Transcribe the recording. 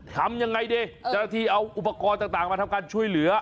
ทำยังไงดิจริงเอาอุปกรณ์ต่างมาทำการช่วยเหลือ